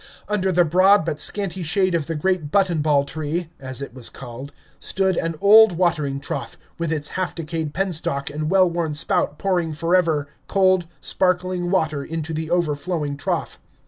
Under the broad but scanty shade of the great button ball tree (as it was called) stood an old watering trough, with its half decayed penstock and well worn spout pouring forever cold, sparkling water into the overflowing trough.